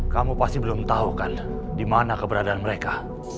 kamu pasti belum tahu kan di mana keberadaan mereka